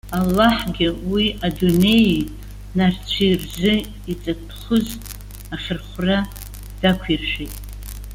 Аллаҳгьы, уи адунеии нарцәи рзы иҵатәхәыз ахьырхәра дақәиршәеит.